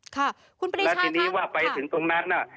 ค่ะคุณปริศแล้วทีนี้ว่าไปถึงตรงนั้นน่ะ